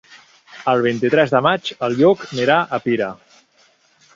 El vint-i-tres de maig en Lluc anirà a Pira.